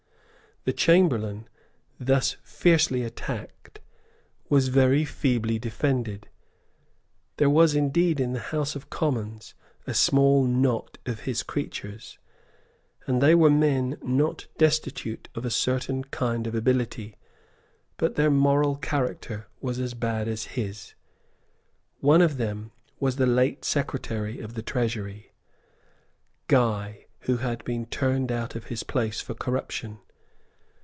The Chamberlain, thus fiercely attacked, was very feebly defended. There was indeed in the House of Commons a small knot of his creatures; and they were men not destitute of a certain kind of ability; but their moral character was as bad as his. One of them was the late Secretary of the Treasury, Guy, who had been turned out of his place for corruption.